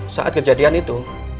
saat kejadian itu